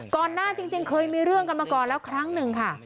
หน้าจริงเคยมีเรื่องกันมาก่อนแล้วครั้งหนึ่งค่ะ